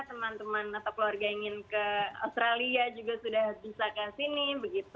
teman teman atau keluarga ingin ke australia juga sudah bisa ke sini